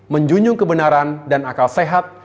menjunjung kebenaran dan akal sehat